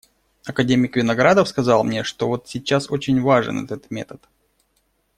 Академик Виноградов сказал мне, что вот сейчас очень важен этот метод.